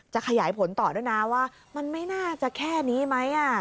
ขยายผลต่อด้วยนะว่ามันไม่น่าจะแค่นี้ไหม